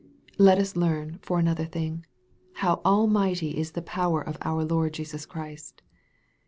Let us learn, for another thing, how almighty is the power of our Lord Jesus Christ.